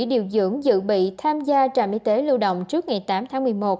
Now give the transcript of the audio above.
điều dưỡng dự bị tham gia trạm y tế lưu động trước ngày tám tháng một mươi một